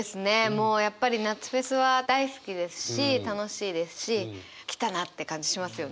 もうやっぱり夏フェスは大好きですし楽しいですし来たなって感じしますよね。